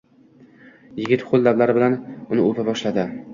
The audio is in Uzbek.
Yigit hoʻl lablari bilan uni oʻpa boshladi